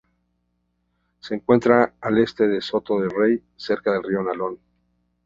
Se encuentra al este de Soto de Rey cerca del río Nalón.